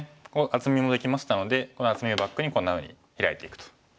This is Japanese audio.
厚みもできましたのでこの厚みをバックにこんなふうにヒラいていくと。